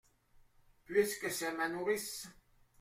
Puisque c’est ma nourrice.